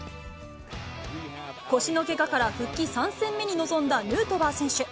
腰のけがから復帰３戦目に臨んだヌートバー選手。